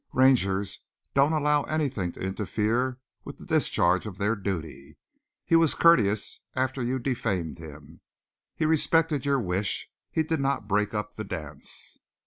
"Rangers don't allow anything to interfere with the discharge of their duty. He was courteous after you defamed him. He respected your wish. He did not break up the dance.